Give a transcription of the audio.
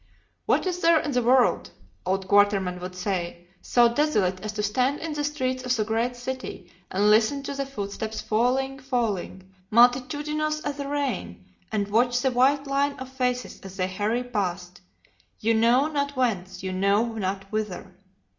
"What is there in the world," old Quatermain would say, "so desolate as to stand in the streets of a great city and listen to the footsteps falling, falling, multitudinous as the rain, and watch the white line of faces as they hurry past, you know not whence, you know not whither?